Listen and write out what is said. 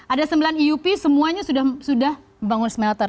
ada sembilan iup semuanya sudah membangun smelter